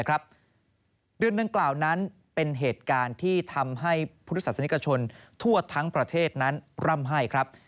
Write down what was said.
เดือนดังกล่าวนั้นเป็นเหตุการณ์ที่ทำให้พุทธศาสนิกชนทั่วทั้งประเทศนั้นร่ำไห้ครับ